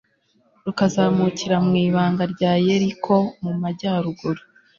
rukazamukira mu ibanga rya yeriko mu majyaruguru